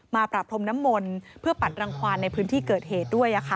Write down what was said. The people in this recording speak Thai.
ประพรมน้ำมนต์เพื่อปัดรังความในพื้นที่เกิดเหตุด้วย